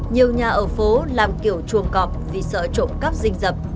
nhiều nhà ở phố làm kiểu chuồng cọp vì sợ trộm cắp dinh dập